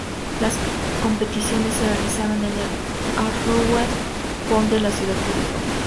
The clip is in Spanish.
Las competiciones se realizaron en el Arrowhead Pond de la ciudad californiana.